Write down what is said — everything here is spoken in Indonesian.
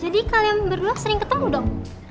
jadi kalian berdua sering ketemu dong